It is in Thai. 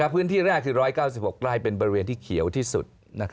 พื้นที่แรกคือ๑๙๖ไร่เป็นบริเวณที่เขียวที่สุด